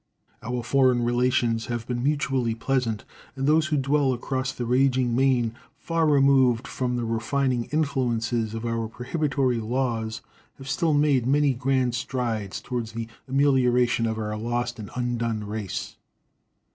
Our foreign relations have been mutually pleasant, and those who dwell across the raging main, far removed from the refining influences of our prohibitory laws, have still made many grand strides toward the amelioration of our lost and undone race.